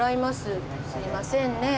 すいませんね